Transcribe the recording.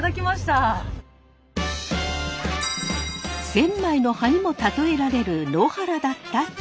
千枚の葉にも例えられる野原だった千葉。